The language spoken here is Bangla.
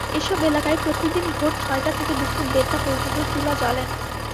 এসব এলাকায় প্রতিদিন ভোর ছয়টা থেকে দুপুর দেড়টা পর্যন্ত চুলা জ্বলে না।